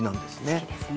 好きですね。